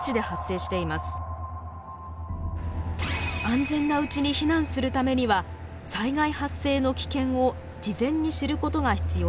安全なうちに避難するためには災害発生の危険を事前に知ることが必要です。